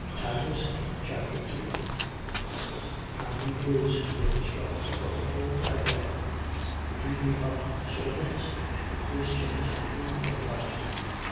Titus Chapter 2 How he is to instruct both old and young. The duty of servants. The Christian's rule of life.